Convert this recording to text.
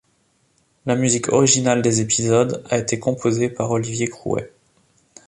La musique originale des épisodes a été composée par Olivier Crouet.